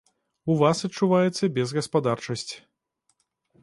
У вас адчуваецца безгаспадарчасць.